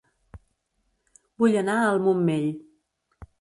Vull anar a El Montmell